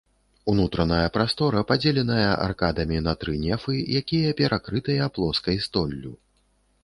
Унутраная прастора падзеленая аркадамі на тры нефы, якія перакрытыя плоскай столлю.